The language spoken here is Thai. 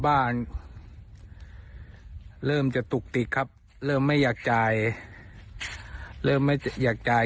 บ้านเริ่มจะตุกติดครับเริ่มไม่อยากจ่ายเริ่มไม่อยากจ่าย